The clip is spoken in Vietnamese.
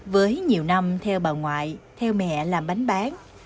với nhiều năm theo bà ngoại theo mẹ làm bánh bán